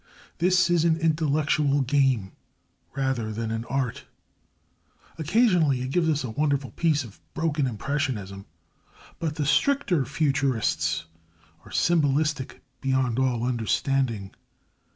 This is an intellectual game rather than an art. Occasionally it gives us a wonderful piece of broken impressionism; but the stricter Futurists are symbolistic beyond all understanding.